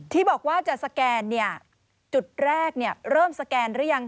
ที่บอกว่าจะสแกนจุดแรกเริ่มสแกนหรือยัง